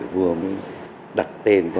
vua mới đặt tên cho